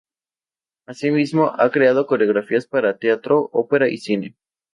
Asimismo, ha creado coreografías para teatro, ópera y cine.